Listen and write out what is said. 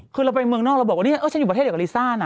คือเราไปเมืองนอกเราบอกว่านี่ฉันอยู่ประเทศเดียวกับลิซ่าน่ะ